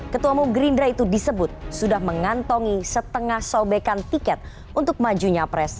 ketua mu gerindra itu disebut sudah mengantongi setengah sobekan tiket untuk majunya pres